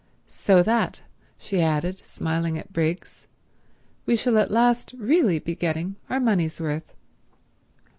"So that," she added, smiling at Briggs, "we shall at last really be getting our money's worth."